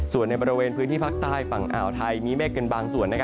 ส่วนในบริเวณพื้นที่ภาคใต้ฝั่งอ่าวไทยมีเมฆเป็นบางส่วน